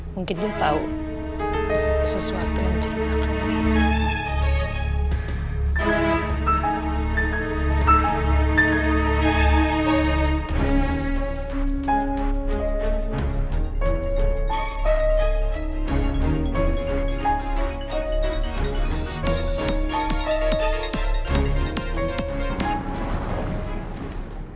mungkin dia tahu sesuatu yang menceritakan ini